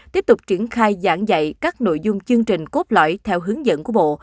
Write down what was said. tiếp tục triển khai giảng dạy các nội dung chương trình cốt lõi theo hướng dẫn của bộ